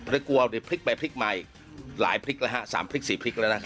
ไม่ได้กลัวพริกไปพริกใหม่หลายพริกแล้วฮะสามพริกสี่พริกแล้วนะครับ